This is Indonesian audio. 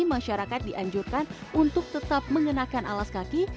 masyarakat dianjurkan untuk tetap mengenakan alas kaki